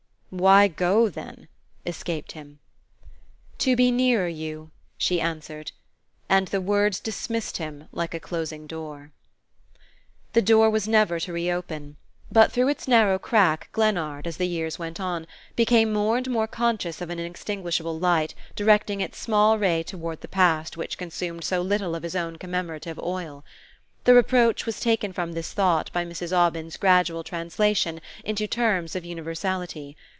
"Why go then ?" escaped him. "To be nearer you," she answered; and the words dismissed him like a closing door. The door was never to reopen; but through its narrow crack Glennard, as the years went on, became more and more conscious of an inextinguishable light directing its small ray toward the past which consumed so little of his own commemorative oil. The reproach was taken from this thought by Mrs. Aubyn's gradual translation into terms of universality.